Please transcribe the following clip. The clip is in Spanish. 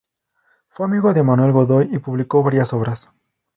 Fue amigo de Manuel Godoy y publicó varias obras.